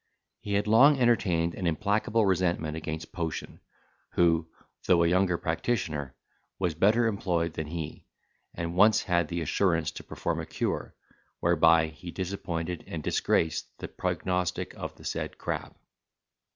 He had long entertained an implacable resentment against Potion, who, though a younger practitioner, was better employed than he, and once had the assurance to perform a cure, whereby he disappointed and disgraced the prognostic of the said Crab.